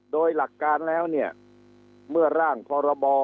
โดยหลักการแล้วเนี่ยเมื่อร่างพรบ